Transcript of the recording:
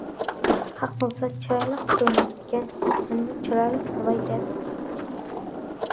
-خەق قىلسا چىرايلىق كۆرۈنۈپتىكەن، مەنمۇ چىرايلىق بولاي دەپ.